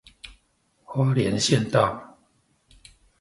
花蓮縣道